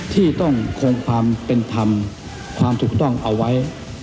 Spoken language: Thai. ที่ต้องคงความเป็นธรรมความถูกต้องเอาไว้